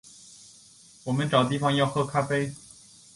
我们找地方要喝咖啡